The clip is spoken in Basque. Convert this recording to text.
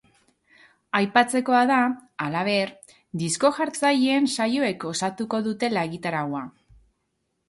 Aipatzekoa da, halaber, disko-jartzaileen saioek osatuko dutela egitaraua.